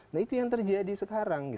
nah itu yang terjadi sekarang